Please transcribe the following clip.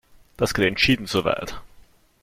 Das geht entschieden zu weit!